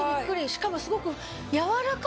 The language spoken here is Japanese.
しかもすごく。